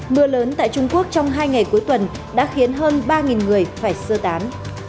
mưa lớn tại trung quốc trong hai ngày cuối tuần đã khiến hơn ba người phải sơ tán